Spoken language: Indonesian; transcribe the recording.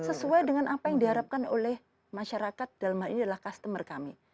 sesuai dengan apa yang diharapkan oleh masyarakat dalam hal ini adalah customer kami